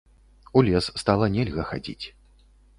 У лес стала нельга хадзіць.